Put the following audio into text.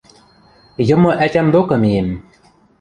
Йымы ӓтям докы миэм...